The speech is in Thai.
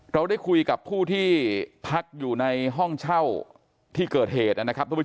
เราได้คุยกับผู้ที่พักอยู่ในห้องเช่าที่เกิดเหตุนะครับทุกผู้